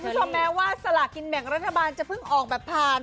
ผู้ชมแม่ว่าสละกินแหม่งรัฐบาลจะพึ่งออกแบบผ่าน